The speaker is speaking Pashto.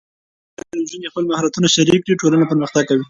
کله چې نجونې خپل مهارتونه شریک کړي، ټولنه پرمختګ کوي.